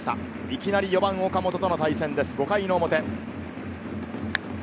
いきなり４番・岡本との対戦です、５回の表。